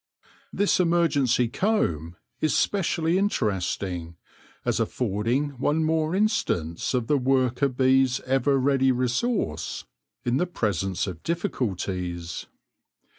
This emergency comb is speci ally interesting, as affording one more instance of the THE COMB BUILDERS 139 worker bee's ever ready resource in the presence of difficulties.